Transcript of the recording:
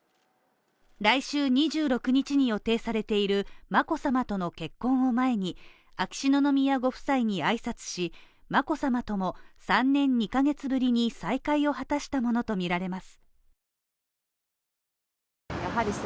来週２６日に予定されている眞子さまとの結婚を前に、秋篠宮ご夫妻に挨拶し、眞子さまとも３年２ヶ月ぶりに再会を果たしたものとみられます。